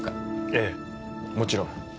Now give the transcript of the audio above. ええもちろん。